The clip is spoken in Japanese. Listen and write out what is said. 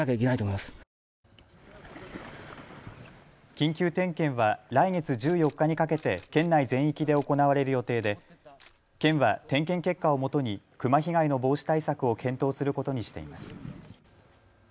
緊急点検は来月１４日にかけて県内全域で行われる予定で県は点検結果をもとにクマ被害の防止対策を検討することにしています。